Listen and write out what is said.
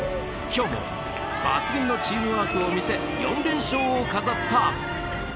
今日も抜群のチームワークを見せ４連勝を飾った。